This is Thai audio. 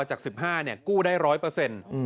จาก๑๕กู้ได้๑๐๐เปอร์เซ็นต์